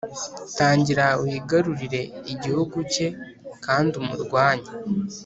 tangira wigarurire igihugu cye kandi umurwanye